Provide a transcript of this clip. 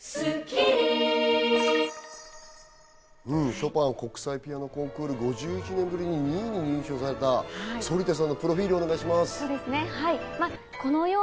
ショパン国際ピアノコンクール、５１年ぶりに２位に入賞された、反田さんのプロフィールを見ましょう。